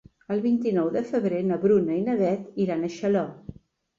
El vint-i-nou de febrer na Bruna i na Beth iran a Xaló.